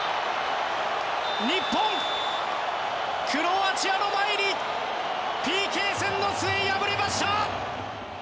日本、クロアチアの前にＰＫ戦の末敗れました。